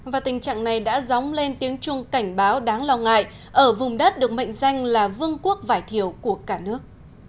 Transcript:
và tình trạng này đã dóng lên tiếng chuông cảnh báo đáng lo ngại ở vùng đất được mệnh danh là vương quốc vải thiều của cả nước